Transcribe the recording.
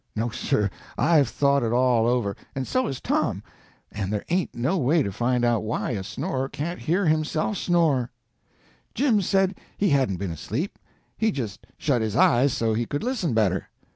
No, sir, I've thought it all over, and so has Tom, and there ain't no way to find out why a snorer can't hear himself snore. Jim said he hadn't been asleep; he just shut his eyes so he could listen better.